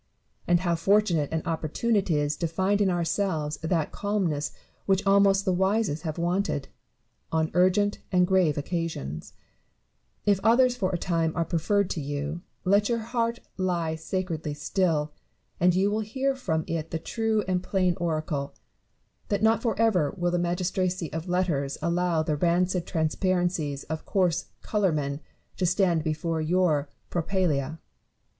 — and how fortunate and opportune is it to find in ourselves that calm ness which almost the wisest have wanted, on urgent and grave occasions 1 If others for a time are preferred to you, let your heart lie sacredly still ; and you will hear from it the true and plain oracle, that not for ever will the magistracy of letters allow the rancid transparencies of coarse colourmen to stand before your propylsea.